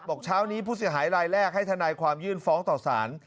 เช้านี้ผู้เสียหายรายแรกให้ทนายความยื่นฟ้องต่อสาร